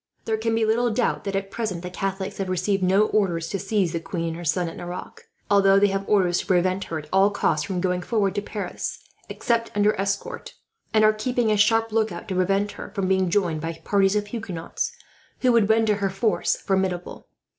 There can be little doubt that, at present, the Catholics have received no orders to seize the queen and her son at Nerac; although they have orders to prevent her, at all costs, from going forward to Paris except under escort; and are keeping a sharp lookout, to prevent her from being joined by parties of Huguenots who would render her force formidable.